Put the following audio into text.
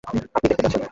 আপনি দেখতে পাচ্ছেন?